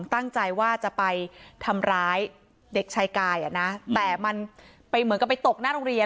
ตั้งใจว่าจะไปทำร้ายเด็กชายกายอ่ะนะแต่มันไปเหมือนกับไปตกหน้าโรงเรียน